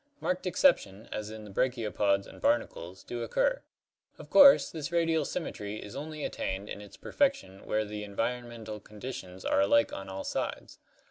Marked exceptions, as in the brachiopods and barnacles, do occur. Of course this radial symmetry is only attained in its perfection where CLASSIFICATION OF ORGANISMS 45 the environmental conditions are alike on all sides.